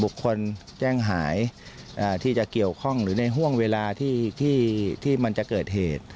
คนแจ้งหายที่จะเกี่ยวข้องหรือในห่วงเวลาที่มันจะเกิดเหตุ